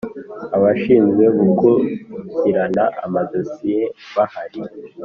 Abashinzwe gukurikirana amadosiye bahari.